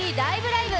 ライブ！」